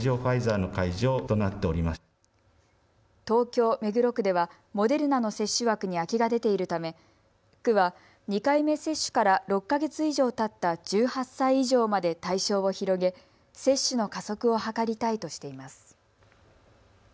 東京目黒区では、モデルナの接種枠に空きが出ているため区は２回目接種から６か月以上たった１８歳以上まで対象を広げ接種の加速を図りたいとしています。